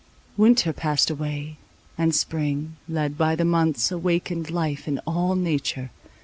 Winter passed away; and spring, led by the months, awakened life in all nature.